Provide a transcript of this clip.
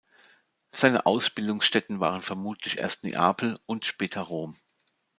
Seine Ausbildungsstätten waren vermutlich erst Neapel und später Rom.